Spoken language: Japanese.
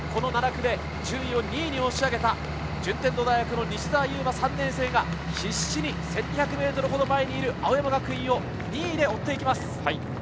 ７区で順位を２位に押し上げた順天堂の西澤侑真・３年生が必死に１２００ｍほど前にいる青山学院を２位で追ってきます。